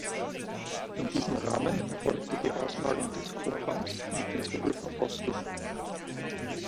In diesem Rahmen erfolgte die Ausmalung des Chorraums mit den Zwölf Aposteln.